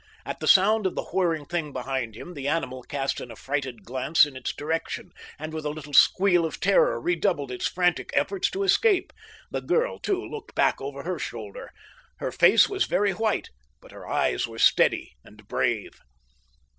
At the sound of the whirring thing behind him the animal cast an affrighted glance in its direction, and with a little squeal of terror redoubled its frantic efforts to escape. The girl, too, looked back over her shoulder. Her face was very white, but her eyes were steady and brave.